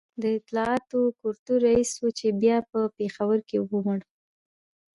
د اطلاعاتو کلتور رئیس و چي بیا په پېښور کي ومړ